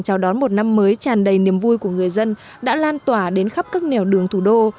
chào đón một năm mới tràn đầy niềm vui của người dân đã lan tỏa đến khắp các nẻo đường thủ đô